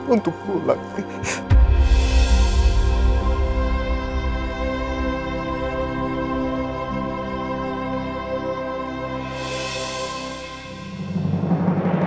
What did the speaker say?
untuk pulang ya